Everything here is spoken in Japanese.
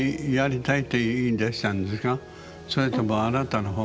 それともあなたの方から？